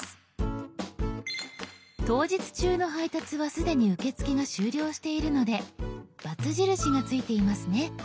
当日中の配達は既に受け付けが終了しているのでバツ印がついていますね。